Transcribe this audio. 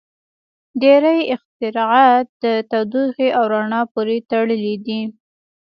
• ډیری اختراعات د تودوخې او رڼا پورې تړلي دي.